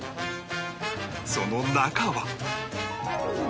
その中は